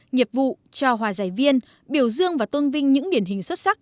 nghiệp vụ cho hòa giải viên biểu dương và tôn vinh những điển hình xuất sắc